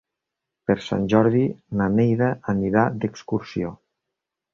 Per Sant Jordi na Neida anirà d'excursió.